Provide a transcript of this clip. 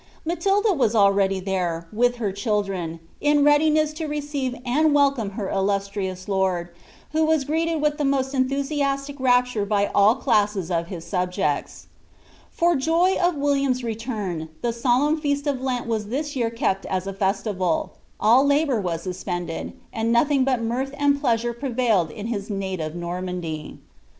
^laiilila was already there, with her children,' in readinesi to receive ■nd wplrome her illustrious lord, who was greeted with the most ejithll ■uatir niptare by all ola<ses of his subjeets. For joy of William's retun tlic sulFinn &3t of Lent was this year kept as a festival ; all labour vnt naspenOnl. aiiil nothing but mirth and pleasure prevailed in his nittiTfe Xnnnanily.'